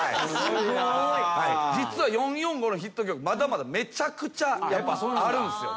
実は４・４・５のヒット曲まだまだめちゃくちゃあるんすよ。